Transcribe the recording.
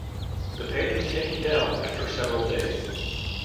The page was taken down after several days.